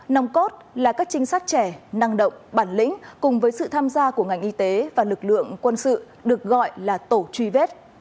nòng cốt là các trinh sát trẻ năng động bản lĩnh cùng với sự tham gia của ngành y tế và lực lượng quân sự được gọi là tổ truy vết